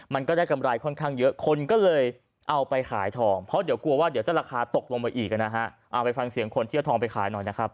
มันก็ได้กำไรค่อนข้างเยอะคนก็เลยเอาไปขายทองเพราะเดี๋ยวกลัวว่าเดี๋ยวจะราคาตกลงมาอีกนะฮะเอาไปฟังเสียงคนที่เอาทองไปขายหน่อยนะครับ